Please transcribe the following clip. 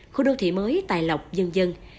khu đô thị mới tài lọc dân dân